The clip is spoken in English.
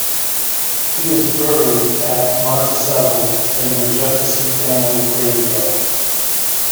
He is buried at Monticello in the Jefferson family graveyard.